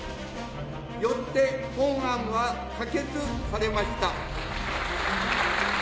よって、本案は可決されました。